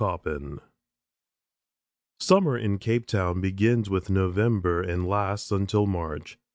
COPPIN Summer in Cape Town begins with November and lasts until March.